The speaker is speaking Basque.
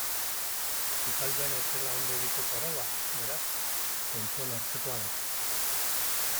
Sukaldean okela ondo egiteko araua, beraz, kontuan hartzekoa da.